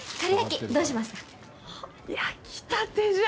あ焼きたてじゃ！